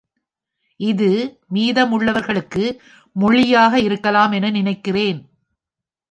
இது மீதமுள்ளவர்களுக்கு மொழியாக இருக்கலாம் என நினைக்கிறேன்.